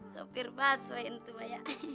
sopir bas soalnya tua ya